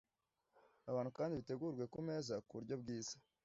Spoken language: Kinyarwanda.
abantu kandi bitegurwe ku meza ku buryo bwiza